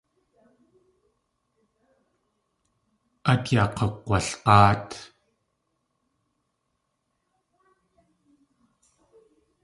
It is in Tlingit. Át yaa k̲ukg̲walg̲áat.